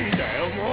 もう！